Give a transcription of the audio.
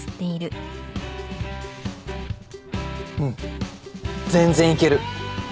うん全然いける。